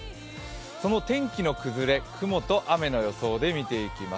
この天気の崩れ、雲と雨の予想で見ていきます。